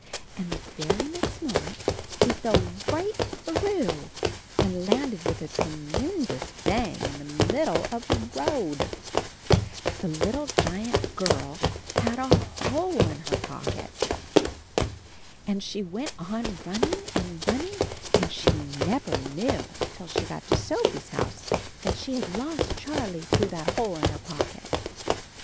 And the very next moment he fell right through and landed with a tremendous bang in the mid dle of the road. The little giant girl had a AND HIS KITTEN TOPSY 11 hole in her pocket. And she went on run ning and running and she never knew till she got to Sophie's house that she had lost Charlie through that hole in her pocket!